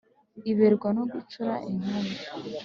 iberwa no gucura inkumbi